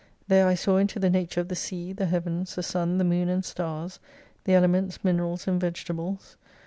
There I saw into the nature of the Sea, the Heavens, the Sun, the Moon and Stars, the Elements, Minerals, and Vegetables.